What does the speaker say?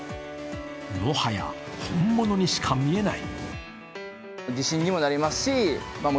もはや本物にしか見えない。